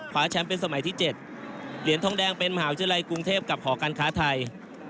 แชมป์เป็นสมัยที่๗เหรียญทองแดงเป็นมหาวิทยาลัยกรุงเทพกับหอการค้าไทย